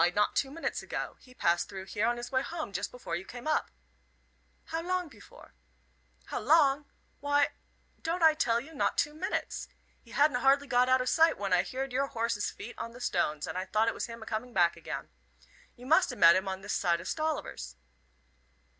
"Why, not two minutes ago. He passed through here on his way home just before you came up." "How long pefore?" "How long! Why, don't I tell you, not two minutes. He hadn't hardly got out o' sight when I heerd your horse's feet on the stones, and thought it was him a coming back again. You must a met him this side o' Stolliver's."